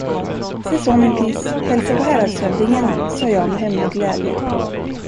Seså, min pys, hälsa på häradshövdingen! sade jag med hemlig glädje.